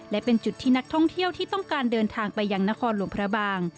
และเป็นจุดที่นักท่องเที่ยวที่ต้องการเดินทางไปยังนครหลวงพระบาง